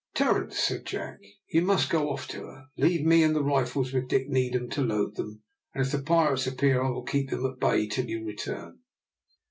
"Terence," said Jack, "you must go off to her. Leave me and the rifles, with Dick Needham to load them; and if the pirates appear I will keep them at bay till you return."